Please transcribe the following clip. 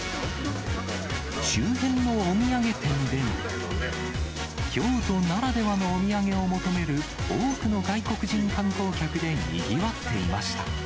周辺のお土産店でも、京都ならではのお土産を求める多くの外国人観光客でにぎわっていました。